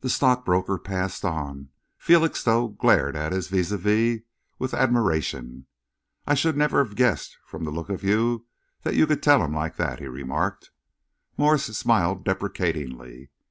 The stockbroker passed on. Felixstowe glanced at his vis à vis with admiration. "I should never have guessed from the look of you that you could tell 'em like that," he remarked. Morse smiled deprecatingly.